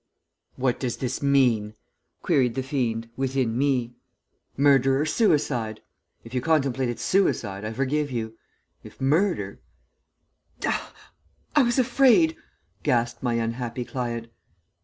"'What does this mean?' queried the fiend within me. 'Murder or suicide? If you contemplated suicide, I forgive you; if murder ' "'I was afraid,' gasped my unhappy client.